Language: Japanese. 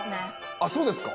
あっそうですか？